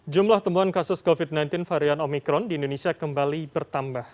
jumlah temuan kasus covid sembilan belas varian omikron di indonesia kembali bertambah